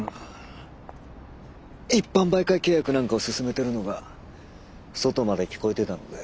一般媒介契約なんかを勧めてるのが外まで聞こえてたので。